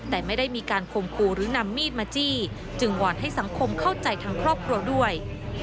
แต่ไม่ได้มีการคมครูหรือนำมีดมาจี้จึงวอนให้สังคมเข้าใจทางครอบครัวด้วย